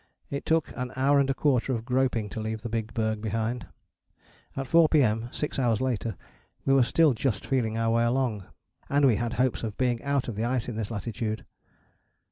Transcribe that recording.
It took an hour and a quarter of groping to leave the big berg behind. At 4 P.M., six hours later, we were still just feeling our way along. And we had hopes of being out of the ice in this latitude!